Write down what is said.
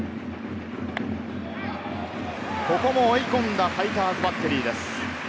ここも追い込んだファイターズバッテリーです。